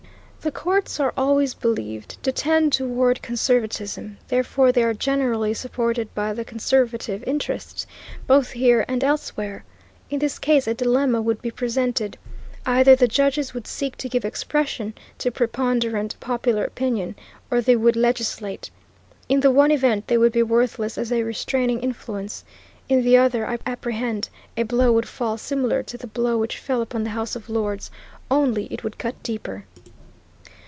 The courts are always believed to tend toward conservatism, therefore they are generally supported by the conservative interest, both here and elsewhere. In this case a dilemma would be presented. Either the judges would seek to give expression to "preponderant" popular opinion, or they would legislate. In the one event they would be worthless as a restraining influence. In the other, I apprehend, a blow would fall similar to the blow which fell upon the House of Lords, only it would cut deeper.